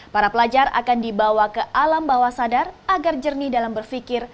para pelajar akan dibawa ke alam bawah sadar agar jernih dalam berpikir